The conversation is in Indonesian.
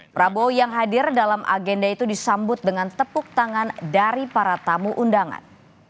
prabowo yang hadir dalam agenda itu disambut dengan tepuk tangan dari para tamu undangan